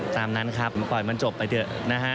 ตามนั้นครับปล่อยมันจบไปเถอะนะฮะ